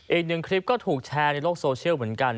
อีกหนึ่งคลิปก็ถูกแชร์ในโลกโซเชียลเหมือนกัน